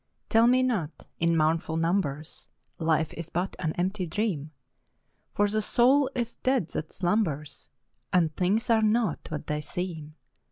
Tell me not, in mournful numbers, Life is but an empty dream ! For the soul is dead that slumbers. And things are not what they seem.